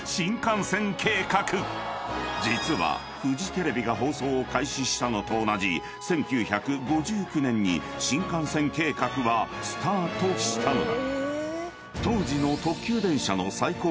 ［実はフジテレビが放送を開始したのと同じ１９５９年に新幹線計画はスタートしたのだ］